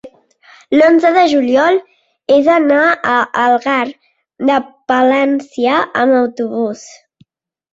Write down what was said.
L'onze de juliol he d'anar a Algar de Palància amb autobús.